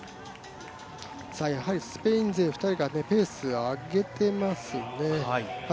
やはりスペイン勢２人がペースを上げてますね。